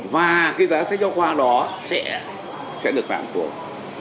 và cái giá sách giáo khoa đó sẽ được giảm xuống